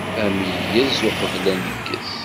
Ameyyez uqbel aneggez.